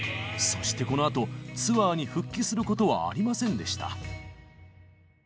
そしてこのあとツアーに復帰することはありませんでした。